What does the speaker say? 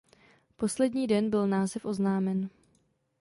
Poslední den byl název oznámen.